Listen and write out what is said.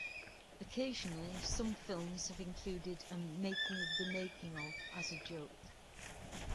Occasionally, some films have included a "making of the making-of" as a joke.